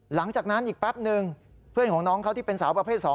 หลังจากนั้นอีกแป๊บนึงเพื่อนของน้องเขาที่เป็นสาวประเภท๒